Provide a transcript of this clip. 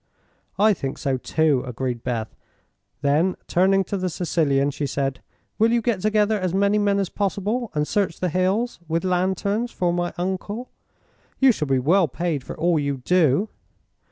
"I think so, too," agreed Beth. Then, turning to the Sicilian, she said: "Will you get together as many men as possible and search the hills, with lanterns, for my uncle? You shall be well paid for all you do."